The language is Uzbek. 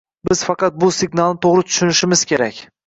Biz faqat bu signalni to'g'ri tushunishimiz kerak